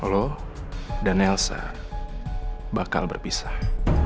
halo dan elsa bakal berpisah